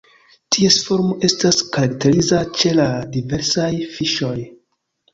Ties formo estas karakteriza ĉe la diversaj fiŝoj.